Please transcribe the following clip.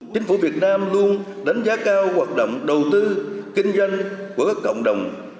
chính phủ việt nam luôn đánh giá cao hoạt động đầu tư kinh doanh của các cộng đồng